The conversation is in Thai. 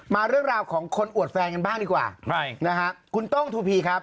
เรื่องราวของคนอวดแฟนกันบ้างดีกว่าใครนะฮะคุณโต้งทูพีครับ